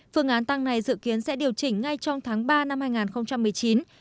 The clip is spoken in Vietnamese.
phương án tăng này dự kiến sẽ điều chỉnh ngay trong tháng ba năm hai nghìn một mươi chín